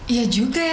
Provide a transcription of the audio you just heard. iya juga ya